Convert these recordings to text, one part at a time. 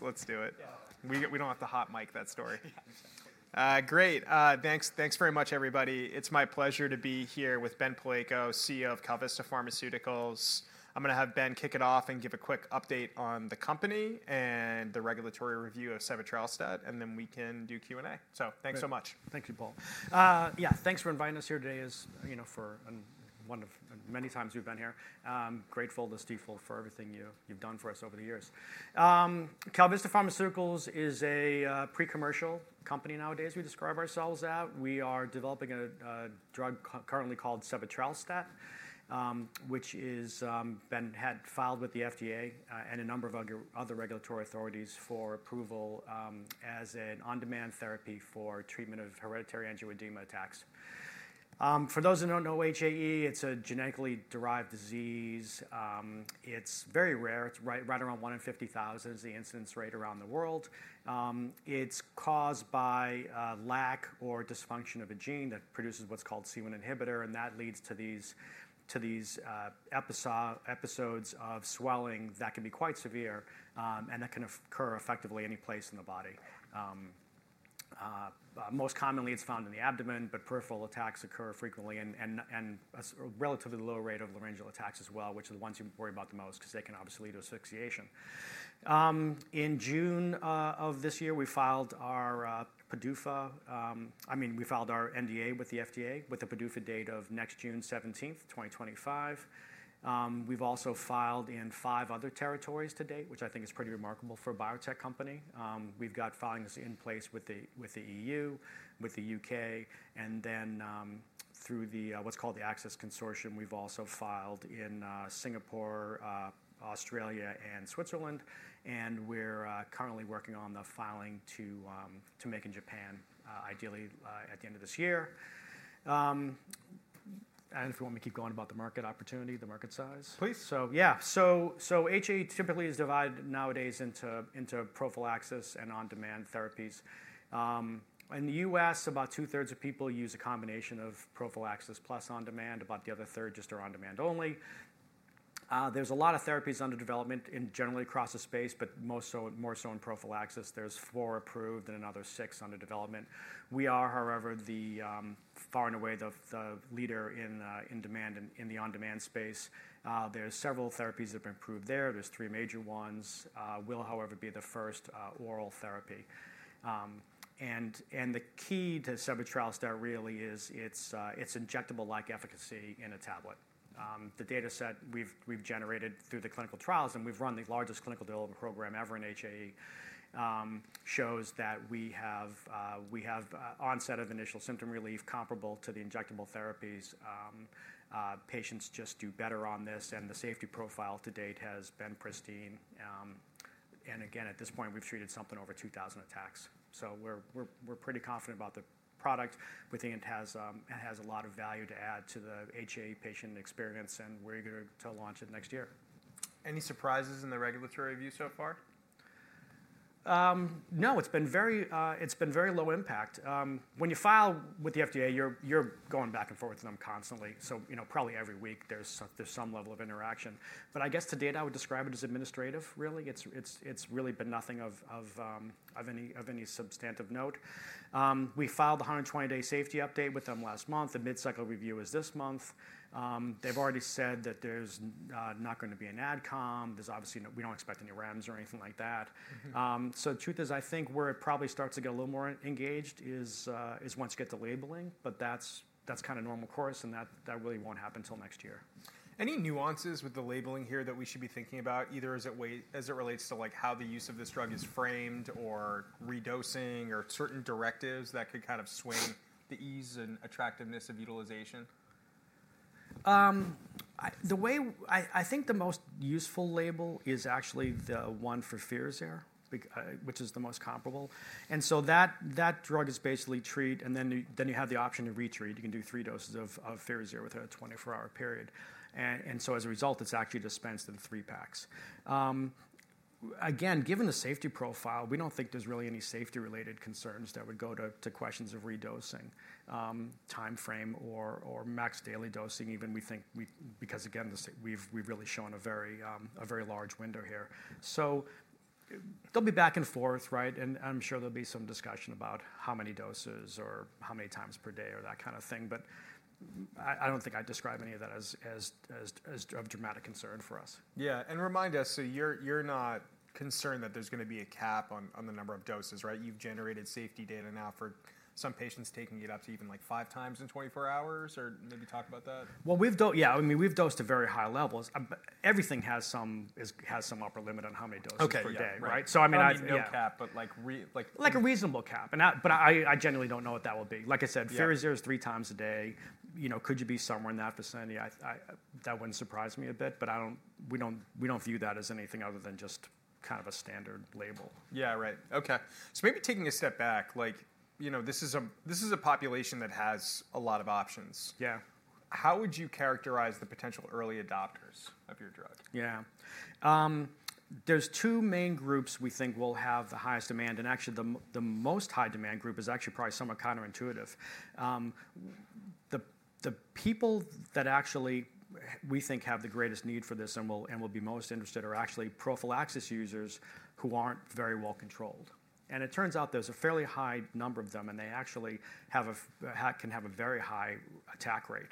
Let's do it. We don't have to hot mic that story. Yeah, exactly. Great. Thanks very much, everybody. It's my pleasure to be here with Ben Palleiko, CEO of KalVista Pharmaceuticals. I'm going to have Ben kick it off and give a quick update on the company and the regulatory review of sebetralstat and then we can do Q&A. So thanks so much. Thank you, Paul. Yeah, thanks for inviting us here today for one of many times we've been here. Grateful to Steve for everything you've done for us over the years. KalVista Pharmaceuticals is a pre-commercial company nowadays we describe ourselves at. We are developing a drug currently called sebetralstat, which has been filed with the FDA and a number of other regulatory authorities for approval as an on-demand therapy for treatment of hereditary angioedema attacks. For those who don't know, HAE, it's a genetically derived disease. It's very rare. It's right around one in 50,000 is the incidence rate around the world. It's caused by lack or dysfunction of a gene that produces what's called C1-inhibitor, and that leads to these episodes of swelling that can be quite severe, and that can occur effectively any place in the body. Most commonly, it's found in the abdomen, but peripheral attacks occur frequently and a relatively low rate of laryngeal attacks as well, which are the ones you worry about the most because they can obviously lead to asphyxiation. In June of this year, we filed our PDUFA, I mean, we filed our NDA with the FDA with a PDUFA date of next June 17, 2025. We've also filed in five other territories to date, which I think is pretty remarkable for a biotech company. We've got filings in place with the EU, with the UK, and then through what's called the Access Consortium, we've also filed in Singapore, Australia, and Switzerland, and we're currently working on the filing to make in Japan, ideally at the end of this year, and if you want me to keep going about the market opportunity, the market size. Please. Yeah. HAE typically is divided nowadays into prophylaxis and on-demand therapies. In the U.S., about two-thirds of people use a combination of prophylaxis plus on-demand. About the other third just are on-demand only. There's a lot of therapies under development generally across the space, but more so in prophylaxis. There's four approved and another six under development. We are, however, far and away the leader in on-demand and in the on-demand space. There are several therapies that have been approved there. There's three major ones. We'll, however, be the first oral therapy. And the key to sebetralstat really is its injectable-like efficacy in a tablet. The data set we've generated through the clinical trials, and we've run the largest clinical development program ever in HAE, shows that we have onset of initial symptom relief comparable to the injectable therapies. Patients just do better on this, and the safety profile to date has been pristine. And again, at this point, we've treated something over 2,000 attacks. So we're pretty confident about the product. We think it has a lot of value to add to the HAE patient experience, and we're eager to launch it next year. Any surprises in the regulatory view so far? No, it's been very low impact. When you file with the FDA, you're going back and forth with them constantly. So probably every week, there's some level of interaction. But I guess to date, I would describe it as administrative, really. It's really been nothing of any substantive note. We filed a 120-day safety update with them last month. The mid-cycle review is this month. They've already said that there's not going to be an AdCom. We don't expect any REMS or anything like that. So the truth is, I think where it probably starts to get a little more engaged is once you get the labeling, but that's kind of normal course, and that really won't happen until next year. Any nuances with the labeling here that we should be thinking about, either as it relates to how the use of this drug is framed or redosing or certain directives that could kind of swing the ease and attractiveness of utilization? I think the most useful label is actually the one for Firazyr, which is the most comparable. And so that drug is basically treat, and then you have the option to retreat. You can do three doses of Firazyr within a 24-hour period. And so as a result, it's actually dispensed in three packs. Again, given the safety profile, we don't think there's really any safety-related concerns that would go to questions of redosing timeframe or max daily dosing even, because again, we've really shown a very large window here. So there'll be back and forth, right? And I'm sure there'll be some discussion about how many doses or how many times per day or that kind of thing. But I don't think I'd describe any of that as a dramatic concern for us. Yeah, and remind us, so you're not concerned that there's going to be a cap on the number of doses, right? You've generated safety data now for some patients taking it up to even like five times in 24 hours, or maybe talk about that? Yeah, I mean, we've dosed at very high levels. Everything has some upper limit on how many doses per day, right? So I mean. Like a no cap, but like. Like a reasonable cap. But I generally don't know what that will be. Like I said, Firazyr is three times a day. Could you be somewhere in that vicinity? That wouldn't surprise me a bit, but we don't view that as anything other than just kind of a standard label. Yeah, right. Okay, so maybe taking a step back, this is a population that has a lot of options. Yeah. How would you characterize the potential early adopters of your drug? Yeah. There's two main groups we think will have the highest demand. And actually, the most high-demand group is actually probably somewhat counterintuitive. The people that actually we think have the greatest need for this and will be most interested are actually prophylaxis users who aren't very well controlled. And it turns out there's a fairly high number of them, and they actually can have a very high attack rate.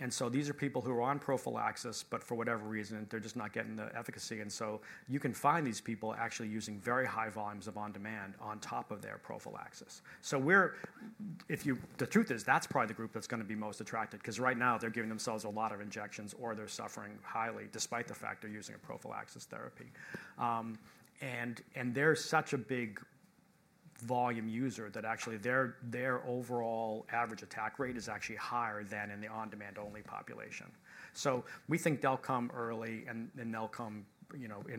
And so these are people who are on prophylaxis, but for whatever reason, they're just not getting the efficacy. And so you can find these people actually using very high volumes of on-demand on top of their prophylaxis. So the truth is, that's probably the group that's going to be most attracted because right now they're giving themselves a lot of injections or they're suffering highly despite the fact they're using a prophylaxis therapy. And they're such a big volume user that actually their overall average attack rate is actually higher than in the on-demand-only population. So we think they'll come early and they'll come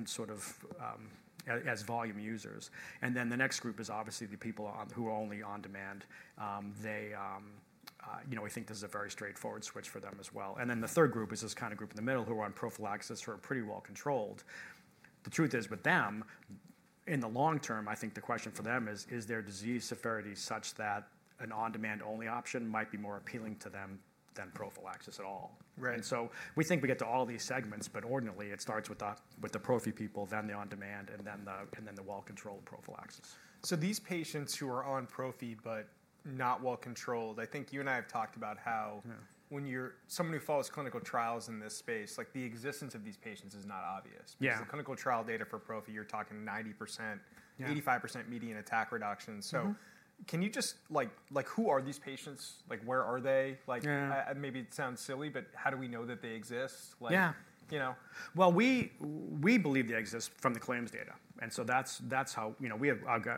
sort of as volume users. And then the next group is obviously the people who are only on-demand. We think this is a very straightforward switch for them as well. And then the third group is this kind of group in the middle who are on prophylaxis who are pretty well controlled. The truth is, with them, in the long term, I think the question for them is, is their disease severity such that an on-demand-only option might be more appealing to them than prophylaxis at all? And so we think we get to all these segments, but ordinarily, it starts with the Prophy people, then the on-demand, and then the well-controlled prophylaxis. These patients who are on Prophy but not well-controlled, I think you and I have talked about how when you're someone who follows clinical trials in this space, the existence of these patients is not obvious. Because the clinical trial data for prophy, you're talking 85% median attack reduction. Can you just who are these patients? Where are they? Maybe it sounds silly, but how do we know that they exist? Yeah, well, we believe they exist from the claims data, and so that's how,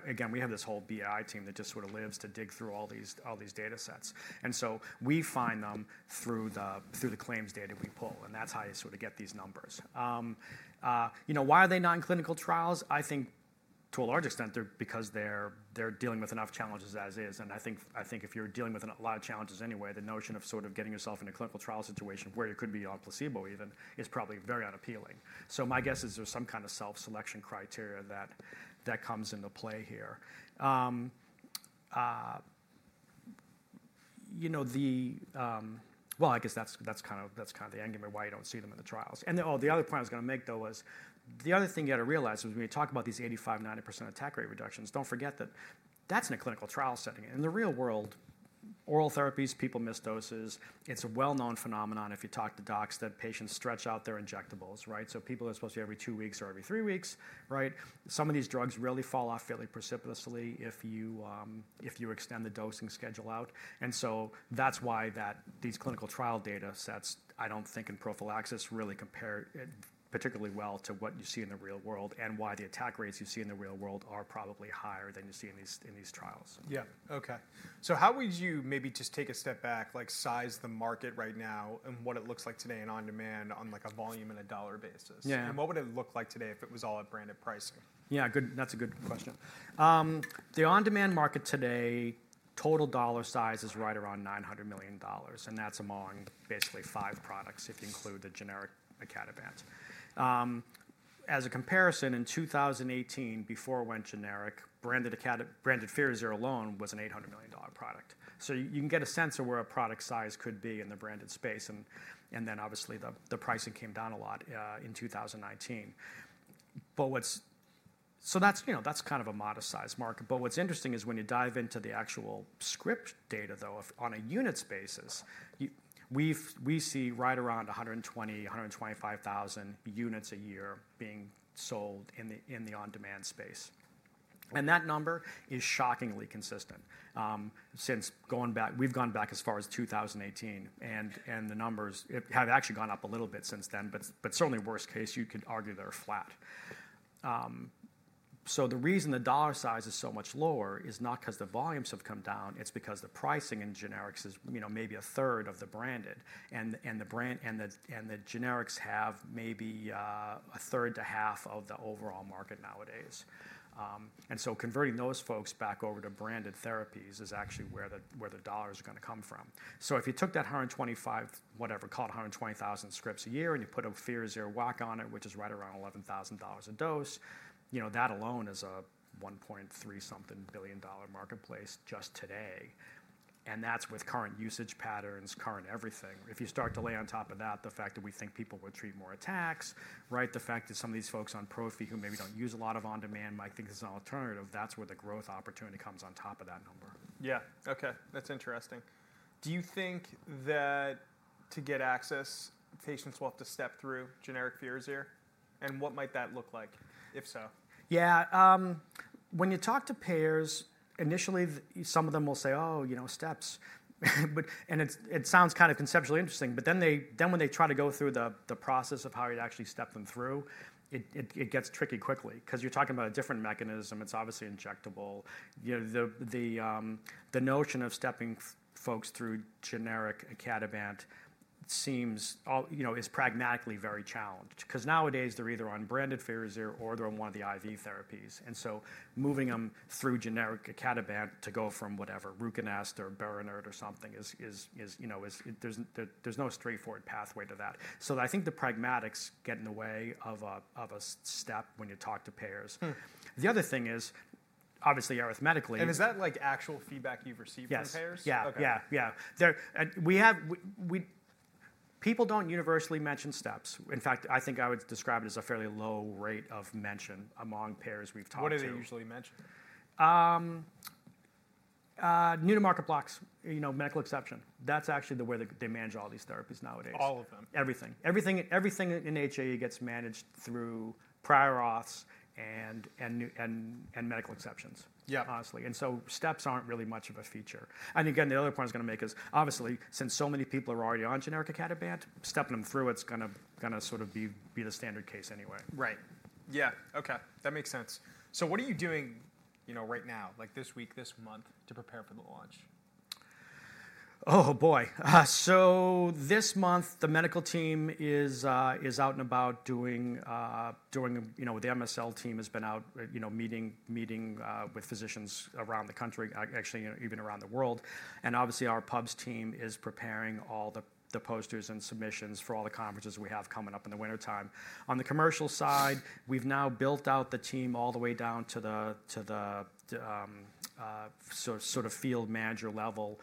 again, we have this whole BI team that just sort of lives to dig through all these data sets, and so we find them through the claims data we pull, and that's how you sort of get these numbers. Why are they not in clinical trials? I think to a large extent, because they're dealing with enough challenges as is, and I think if you're dealing with a lot of challenges anyway, the notion of sort of getting yourself in a clinical trial situation where you could be on placebo even is probably very unappealing, so my guess is there's some kind of self-selection criteria that comes into play here, well, I guess that's kind of the angle of why you don't see them in the trials. The other point I was going to make, though, is the other thing you had to realize is when you talk about these 85%, 90% attack rate reductions, don't forget that that's in a clinical trial setting. In the real world, oral therapies, people miss doses. It's a well-known phenomenon if you talk to docs that patients stretch out their injectables, right? So people are supposed to get every two weeks or every three weeks, right? Some of these drugs really fall off fairly precipitously if you extend the dosing schedule out. And so that's why these clinical trial data sets, I don't think in prophylaxis, really compare particularly well to what you see in the real world and why the attack rates you see in the real world are probably higher than you see in these trials. Yeah. Okay. So how would you maybe just take a step back, size the market right now and what it looks like today in on-demand on a volume and a dollar basis? And what would it look like today if it was all at branded pricing? Yeah, that's a good question. The on-demand market today, total dollar size is right around $900 million, and that's among basically five products if you include the generic icatibants. As a comparison, in 2018, before it went generic, branded Firazyr alone was an $800 million product. So you can get a sense of where a product size could be in the branded space. And then obviously, the pricing came down a lot in 2019. So that's kind of a modest size market. But what's interesting is when you dive into the actual script data, though, on a units basis, we see right around 120,000, 125,000 units a year being sold in the on-demand space. And that number is shockingly consistent since we've gone back as far as 2018. And the numbers have actually gone up a little bit since then, but certainly worst case, you could argue they're flat. So the reason the dollar size is so much lower is not because the volumes have come down. It's because the pricing in generics is maybe a third of the branded, and the generics have maybe a third to half of the overall market nowadays. And so converting those folks back over to branded therapies is actually where the dollars are going to come from. So if you took that 125, whatever, call it 120,000 scripts a year, and you put a Firazyr WAC on it, which is right around $11,000 a dose, that alone is a $1.3-something billion marketplace just today. And that's with current usage patterns, current everything. If you start to lay on top of that the fact that we think people will treat more attacks, right, the fact that some of these folks on prophy who maybe don't use a lot of on-demand might think this is an alternative, that's where the growth opportunity comes on top of that number. Yeah. Okay. That's interesting. Do you think that to get access, patients will have to step through generic Firazyr? And what might that look like if so? Yeah. When you talk to payers, initially, some of them will say, "Oh, steps." And it sounds kind of conceptually interesting, but then when they try to go through the process of how you'd actually step them through, it gets tricky quickly because you're talking about a different mechanism. It's obviously injectable. The notion of stepping folks through generic icatibant is pragmatically very challenged because nowadays, they're either on branded Firazyr or they're on one of the IV therapies. And so moving them through generic icatibant to go from whatever, Ruconest or Berinert or something, there's no straightforward pathway to that. So I think the pragmatics get in the way of a step when you talk to payers. The other thing is, obviously, arithmetically. Is that actual feedback you've received from payers? Yes. Yeah. Yeah. People don't universally mention steps. In fact, I think I would describe it as a fairly low rate of mention among payers we've talked to. What do they usually mention? New to market blocks, medical exception. That's actually the way they manage all these therapies nowadays. All of them. Everything. Everything in HAE gets managed through prior auths and medical exceptions, honestly. And so steps aren't really much of a feature. And again, the other point I was going to make is, obviously, since so many people are already on generic icatibant, stepping them through it's going to sort of be the standard case anyway. Right. Yeah. Okay. That makes sense. So what are you doing right now, this week, this month, to prepare for the launch? Oh, boy, so this month, the medical team is out and about doing. The MSL team has been out meeting with physicians around the country, actually even around the world, and obviously, our Pubs team is preparing all the posters and submissions for all the conferences we have coming up in the wintertime. On the commercial side, we've now built out the team all the way down to the sort of field manager level.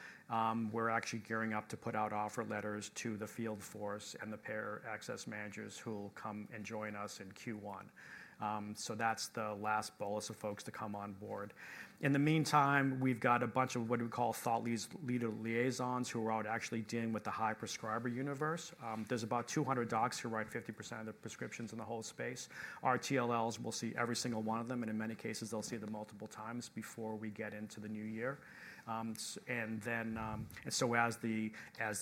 We're actually gearing up to put out offer letters to the field force and the payer access managers who will come and join us in Q1, so that's the last bolus of folks to come on board. In the meantime, we've got a bunch of what we call thought leader liaisons who are out actually dealing with the high prescriber universe. There's about 200 docs who write 50% of the prescriptions in the whole space. Our TLLs, we'll see every single one of them, and in many cases, they'll see them multiple times before we get into the new year. And so as the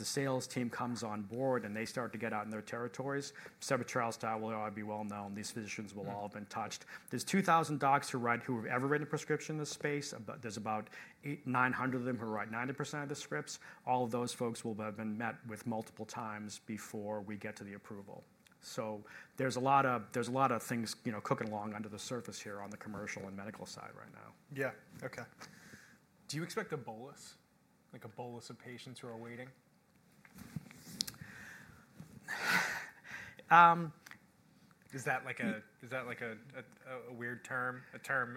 sales team comes on board and they start to get out in their territories, sebetralstat will be well known. These physicians will all have been touched. There's 2,000 docs who have ever written a prescription in this space. There's about 900 of them who write 90% of the scripts. All of those folks will have been met with multiple times before we get to the approval. So there's a lot of things cooking along under the surface here on the commercial and medical side right now. Yeah. Okay. Do you expect a bolus, like a bolus of patients who are waiting? Is that like a weird term?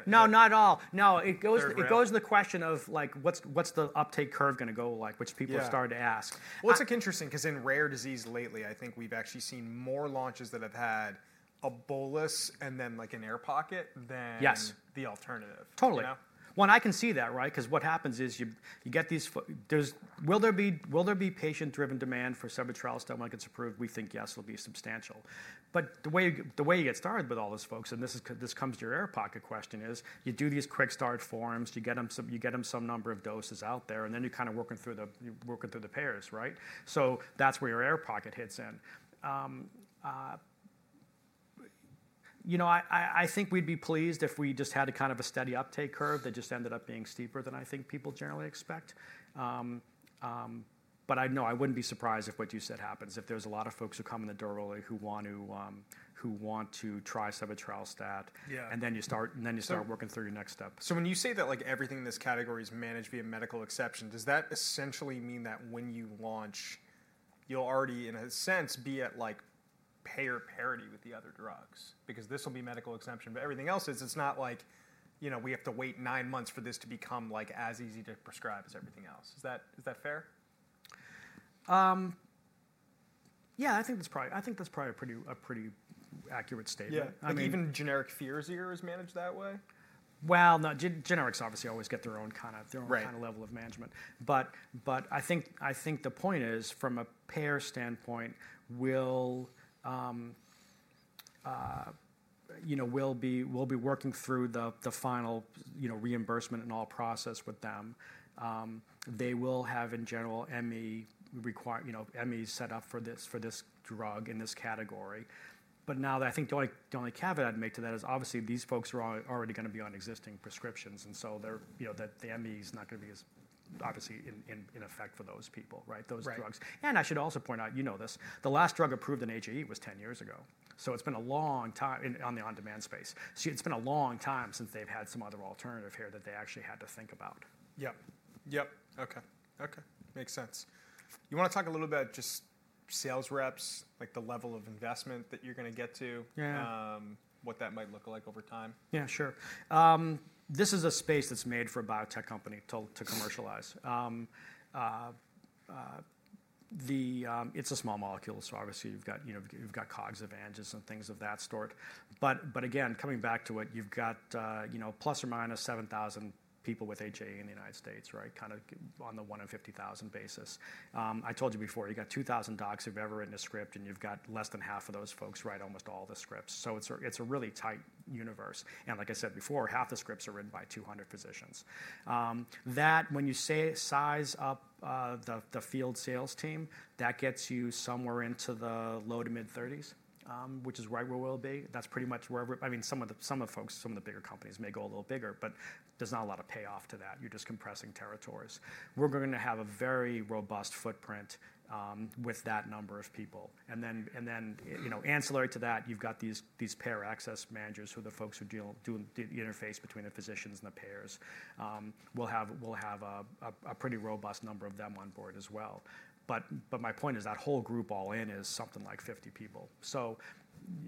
No, not at all. No. It goes to the question of what's the uptake curve going to go like, which people have started to ask. It's interesting because in rare disease lately, I think we've actually seen more launches that have had a bolus and then an air pocket than the alternative. Totally. Well, and I can see that, right? Because what happens is you get these: will there be patient-driven demand for sebetralstat when it gets approved? We think yes, it'll be substantial. But the way you get started with all these folks, and this comes to your air pocket question, is you do these quick start forms, you get them some number of doses out there, and then you're kind of working through the payers, right? So that's where your air pocket hits in. I think we'd be pleased if we just had kind of a steady uptake curve that just ended up being steeper than I think people generally expect. But no, I wouldn't be surprised if what you said happens, if there's a lot of folks who come in the door early who want to try sebetralstat, and then you start working through your next step. So when you say that everything in this category is managed via medical exception, does that essentially mean that when you launch, you'll already, in a sense, be at payer parity with the other drugs? Because this will be medical exception, but everything else is, it's not like we have to wait nine months for this to become as easy to prescribe as everything else. Is that fair? Yeah, I think that's probably a pretty accurate statement. Yeah. I mean, even generic Firazyr is managed that way? No. Generics obviously always get their own kind of level of management. But I think the point is, from a payer standpoint, we'll be working through the final reimbursement and all process with them. They will have, in general, ME set up for this drug in this category. But now, I think the only caveat I'd make to that is obviously these folks are already going to be on existing prescriptions, and so the ME is not going to be obviously in effect for those people, right, those drugs. And I should also point out, you know this, the last drug approved in HAE was 10 years ago. So it's been a long time on the on-demand space. So it's been a long time since they've had some other alternative here that they actually had to think about. Yep. Yep. Okay. Okay. Makes sense. You want to talk a little bit about just sales reps, like the level of investment that you're going to get to, what that might look like over time? Yeah, sure. This is a space that's made for a biotech company to commercialize. It's a small molecule, so obviously, you've got COGS and things of that sort. But again, coming back to it, you've got plus or minus 7,000 people with HAE in the United States, right, kind of on the one in 50,000 basis. I told you before, you've got 2,000 docs who've ever written a script, and you've got less than half of those folks write almost all the scripts. So it's a really tight universe, and like I said before, half the scripts are written by 200 physicians. That, when you size up the field sales team, that gets you somewhere into the low to mid-30s, which is right where we'll be. That's pretty much where I mean, some of the folks, some of the bigger companies may go a little bigger, but there's not a lot of payoff to that. You're just compressing territories. We're going to have a very robust footprint with that number of people, and then ancillary to that, you've got these payer access managers who are the folks who do the interface between the physicians and the payers. We'll have a pretty robust number of them on board as well, but my point is that whole group all in is something like 50 people, so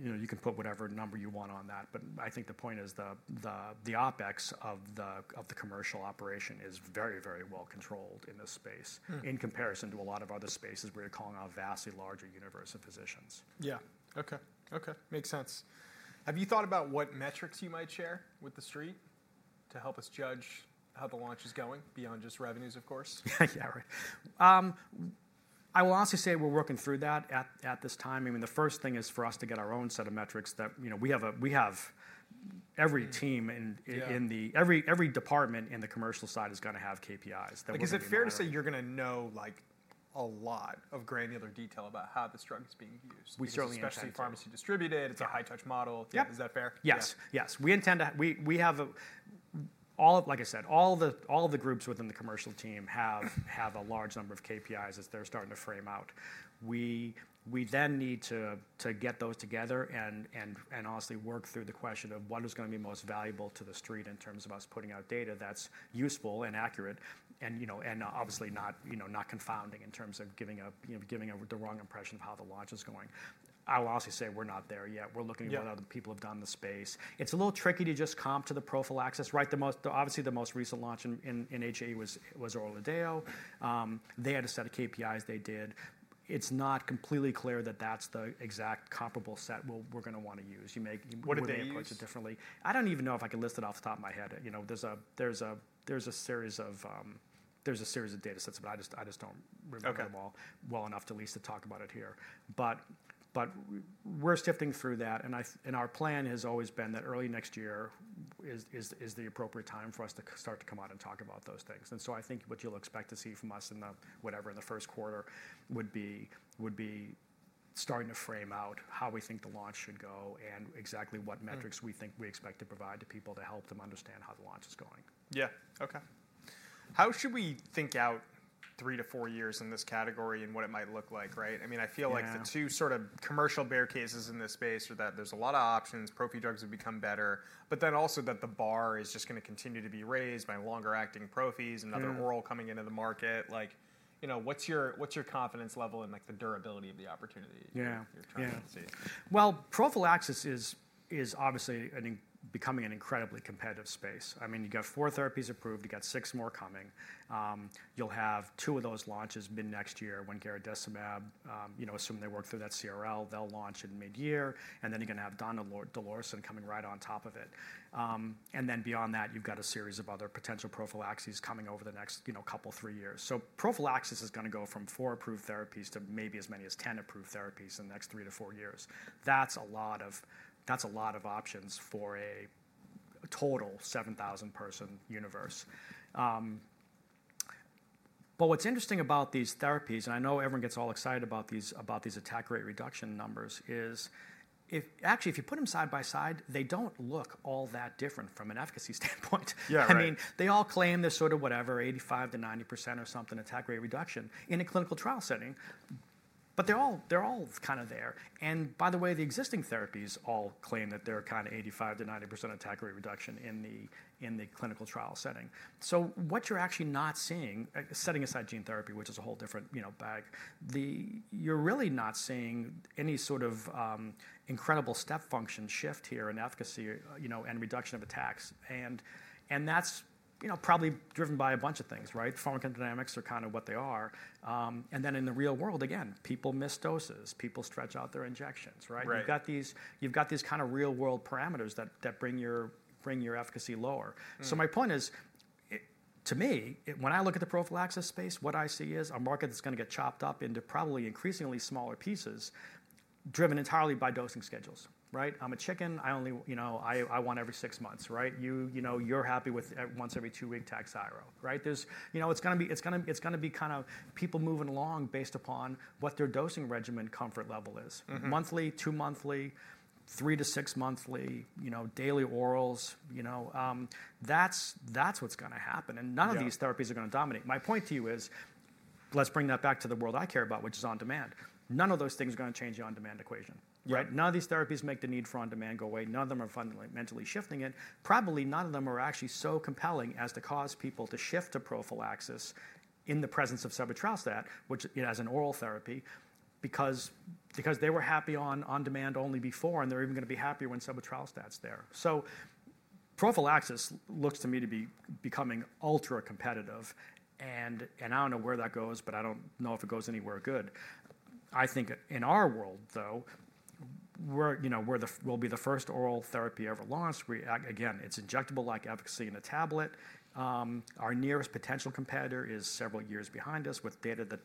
you can put whatever number you want on that, but I think the point is the OpEx of the commercial operation is very, very well controlled in this space in comparison to a lot of other spaces where you're calling a vastly larger universe of physicians. Yeah. Okay. Makes sense. Have you thought about what metrics you might share with the street to help us judge how the launch is going beyond just revenues, of course? Yeah, right. I will also say we're working through that at this time. I mean, the first thing is for us to get our own set of metrics that we have every team in the department in the commercial side is going to have KPIs that we're going to. Is it fair to say you're going to know a lot of granular detail about how this drug is being used? We certainly will. Especially pharmacy distributed, it's a high-touch model. Is that fair? Yes. Yes. We have all, like I said, all the groups within the commercial team have a large number of KPIs as they're starting to frame out. We then need to get those together and honestly work through the question of what is going to be most valuable to the street in terms of us putting out data that's useful and accurate and obviously not confounding in terms of giving the wrong impression of how the launch is going. I will also say we're not there yet. We're looking at what other people have done in the space. It's a little tricky to just comp to the prophylaxis. Obviously, the most recent launch in HAE was Orladeyo. They had a set of KPIs they did. It's not completely clear that that's the exact comparable set we're going to want to use. What did they use? [inaudible] approach it differently. I don't even know if I could list it off the top of my head. There's a series of datasets, but I just don't remember them all well enough to at least talk about it here, but we're sifting through that, and our plan has always been that early next year is the appropriate time for us to start to come out and talk about those things. So I think what you'll expect to see from us in the whatever in the first quarter would be starting to frame out how we think the launch should go and exactly what metrics we think we expect to provide to people to help them understand how the launch is going. Yeah. Okay. How should we think out three to four years in this category and what it might look like, right? I mean, I feel like the two sort of commercial barricades in this space are that there's a lot of options, Prophy drugs have become better, but then also that the bar is just going to continue to be raised by longer-acting Prophy and other oral coming into the market. What's your confidence level in the durability of the opportunity you're trying to see? Yeah. Well, prophylaxis is obviously becoming an incredibly competitive space. I mean, you've got four therapies approved, you've got six more coming. You'll have two of those launches mid-next year when garadacimab, assuming they work through that CRL, they'll launch in mid-year, and then you're going to have donidalorsen coming right on top of it. And then beyond that, you've got a series of other potential prophylaxis coming over the next couple, three years. So prophylaxis is going to go from four approved therapies to maybe as many as 10 approved therapies in the next three to four years. That's a lot of options for a total 7,000-person universe. But what's interesting about these therapies, and I know everyone gets all excited about these attack rate reduction numbers, is actually, if you put them side by side, they don't look all that different from an efficacy standpoint. I mean, they all claim they're sort of whatever, 85%-90% or something attack rate reduction in a clinical trial setting, but they're all kind of there. And by the way, the existing therapies all claim that they're kind of 85%-90% attack rate reduction in the clinical trial setting. So what you're actually not seeing, setting aside gene therapy, which is a whole different bag, you're really not seeing any sort of incredible step function shift here in efficacy and reduction of attacks. And that's probably driven by a bunch of things, right? Pharmacodynamics are kind of what they are. And then in the real world, again, people miss doses, people stretch out their injections, right? You've got these kind of real-world parameters that bring your efficacy lower. So my point is, to me, when I look at the prophylaxis space, what I see is a market that's going to get chopped up into probably increasingly smaller pieces driven entirely by dosing schedules, right? I'm a chicken, I want every six months, right? You're happy with once every two-week Takhzyro, right? It's going to be kind of people moving along based upon what their dosing regimen comfort level is. Monthly, two-monthly, three to six-monthly, daily orals, that's what's going to happen. And none of these therapies are going to dominate. My point to you is, let's bring that back to the world I care about, which is on-demand. None of those things are going to change the on-demand equation, right? None of these therapies make the need for on-demand go away. None of them are fundamentally shifting it. Probably none of them are actually so compelling as to cause people to shift to prophylaxis in the presence of sebetralstat, which is an oral therapy, because they were happy on on-demand only before, and they're even going to be happier when sebetralstat's there. So prophylaxis looks to me to be becoming ultra-competitive. And I don't know where that goes, but I don't know if it goes anywhere good. I think in our world, though, we'll be the first oral therapy ever launched. Again, it's injectable-like efficacy in a tablet. Our nearest potential competitor is several years behind us with data that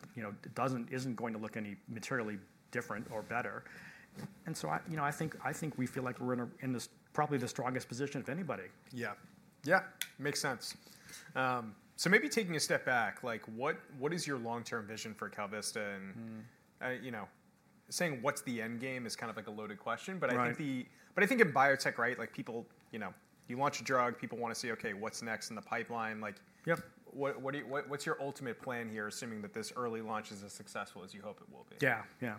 isn't going to look any materially different or better. And so I think we feel like we're in probably the strongest position of anybody. Yeah. Yeah. Makes sense. So maybe taking a step back, what is your long-term vision for KalVista? And saying what's the end game is kind of like a loaded question, but I think in biotech, right, you launch a drug, people want to see, okay, what's next in the pipeline? What's your ultimate plan here, assuming that this early launch is as successful as you hope it will be? Yeah. Yeah.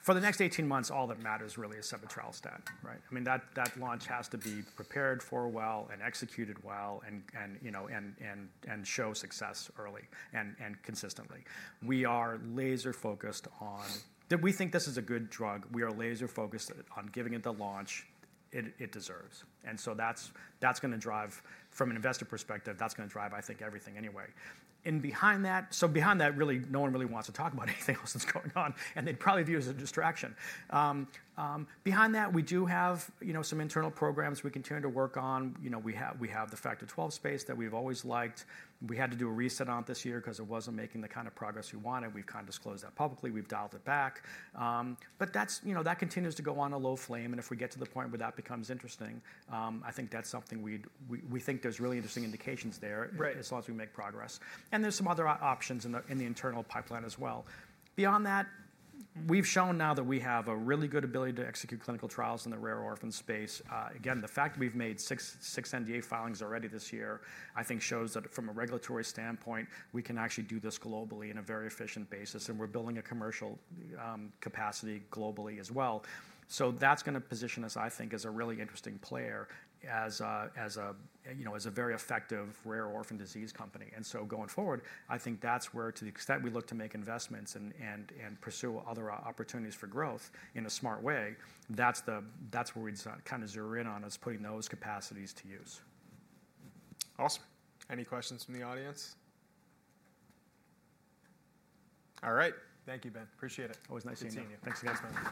For the next 18 months, all that matters really is sebetralstat, right? I mean, that launch has to be prepared for well and executed well and show success early and consistently. We are laser-focused on that. We think this is a good drug. We are laser-focused on giving it the launch it deserves. And so that's going to drive, from an investor perspective, that's going to drive, I think, everything anyway. And behind that, so behind that, really, no one really wants to talk about anything else that's going on, and they'd probably view it as a distraction. Behind that, we do have some internal programs we continue to work on. We have the Factor XII space that we've always liked. We had to do a reset on it this year because it wasn't making the kind of progress we wanted. We've kind of disclosed that publicly. We've dialed it back. But that continues to go on a low flame, and if we get to the point where that becomes interesting, I think that's something we think there's really interesting indications there as long as we make progress. There's some other options in the internal pipeline as well. Beyond that, we've shown now that we have a really good ability to execute clinical trials in the rare orphan space. Again, the fact that we've made six NDA filings already this year, I think, shows that from a regulatory standpoint, we can actually do this globally in a very efficient basis, and we're building a commercial capacity globally as well. That's going to position us, I think, as a really interesting player as a very effective rare orphan disease company. And so going forward, I think that's where, to the extent we look to make investments and pursue other opportunities for growth in a smart way, that's where we'd kind of zero in on us putting those capacities to use. Awesome. Any questions from the audience? All right. Thank you, Ben. Appreciate it. Always nice seeing you. Thanks again.